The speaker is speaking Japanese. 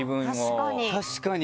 確かに！